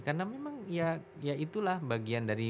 karena memang ya itulah bagian dari